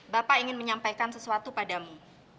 bapak ingin menyampaikan sesuatu padamu